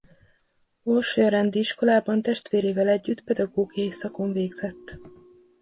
Orsolya-rendi iskolában testvérével együtt pedagógiai szakon végzett.